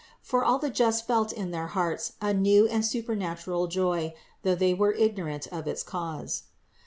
For all the just felt in their hearts a new and supernatural joy, though they were ignorant of its cause.